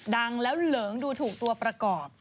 ดังแล้วเหลิงดูถูกตัวประกอบ